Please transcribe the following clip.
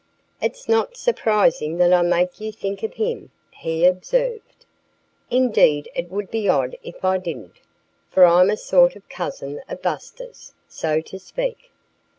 "It's not surprising that I make you think of him," he observed. "Indeed it would be odd if I didn't, for I'm a sort of cousin of Buster's, so to speak.